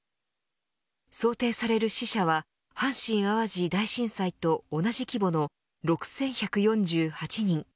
想定される死者は阪神淡路大震災と同じ規模の６１４８人。